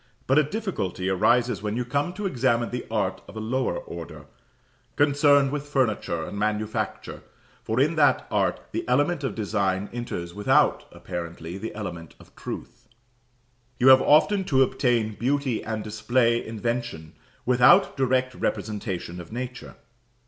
But a difficulty arises when you come to examine the art of a lower order, concerned with furniture and manufacture, for in that art the element of design enters without, apparently, the element of truth. You have often to obtain beauty and display invention without direct representation of nature.